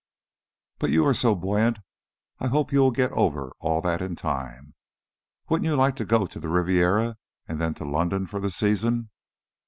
But you are so buoyant I hope you will get over all that in time. Wouldn't you like to go to the Riviera, and then to London for the season?"